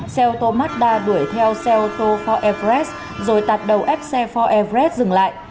xe ô tô mazda đuổi theo xe ô tô ford everest rồi tạt đầu ép xe ford everest dừng lại